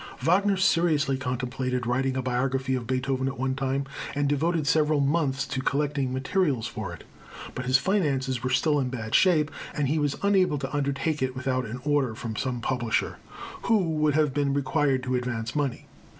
Wagner seriously contemplated writing a biography of Beethoven at one time, and devoted several months to collecting materials for it. But his finances were still in bad shape, and he was unable to undertake it without an order from some publisher, who would have been required to advance money.